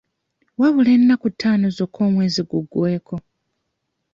Wabula ennaku ttaano zokka omwezi guggweko.